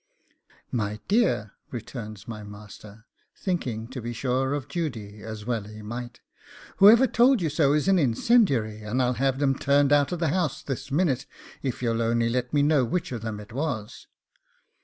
'My dear,' returns my master, thinking, to be sure, of Judy, as well he might, 'whoever told you so is an incendiary, and I'll have 'em turned out of the house this minute, if you'll only let me know which of them it was.